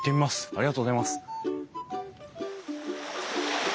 ありがとうございます。